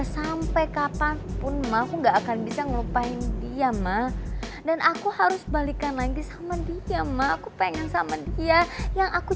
sampai jumpa di video selanjutnya